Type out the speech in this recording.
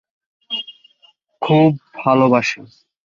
এটি লখনউ শহরের মধ্য অংশ নিয়ে গঠিত।